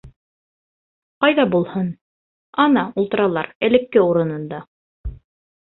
Ҡайҙа булһын, ана, ултыралар элекке урынында.